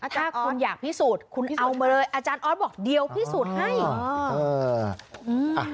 ถ้าคุณอยากพิสูจน์คุณเอามาเลยอาจารย์ออสบอกเดี๋ยวพิสูจน์ให้